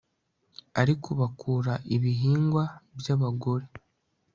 ariko bakura ibihingwa byabagore